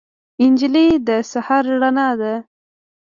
نجلۍ د سحر رڼا ده.